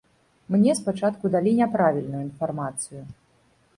Мне спачатку далі няправільную інфармацыю.